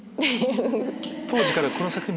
当時からこの作品。